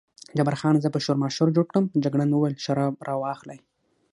جبار خان: زه به شورماشور جوړ کړم، جګړن وویل شراب را واخلئ.